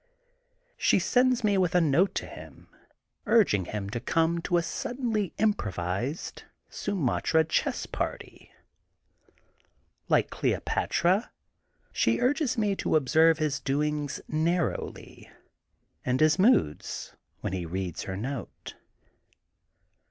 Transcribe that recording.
She sends me with a note to him, urging him to come to a suddenly improvised Sumatra chess party. Like Cleopatra, she urges me to observe his doings narrowly, and his moods when he reads her note.